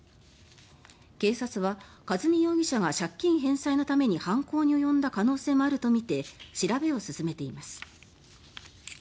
警察は和美容疑者が借金返済のために犯行に及んだ可能性もあるとみて調べを進めています。